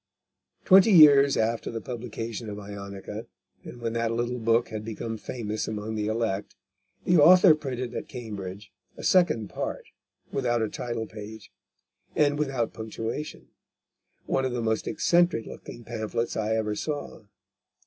Twenty years after the publication of Ionica, and when that little book had become famous among the elect, the author printed at Cambridge a second part, without a title page, and without punctuation, one of the most eccentric looking pamphlets I ever saw.